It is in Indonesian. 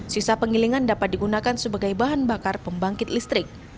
sisa pengilingan dapat digunakan sebagai bahan bakar pembangkit listrik